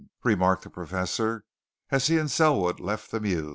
remarked the Professor as he and Selwood left the mews.